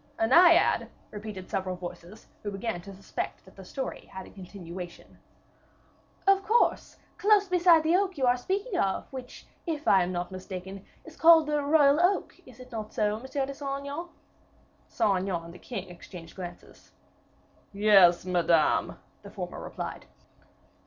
"A Naiad!" repeated several voices, who began to suspect that the story had a continuation. "Of course close beside the oak you are speaking of, which, if I am not mistaken, is called the royal oak is it not so, Monsieur de Saint Aignan?" Saint Aignan and the king exchanged glances. "Yes, Madame," the former replied.